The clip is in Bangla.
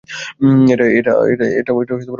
এটা অনেক স্পেশাল ছিলো।